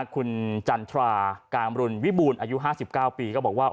คุณจันทราการรุณวิบูรณ์อายุ๕๙ปีก็บอกว่า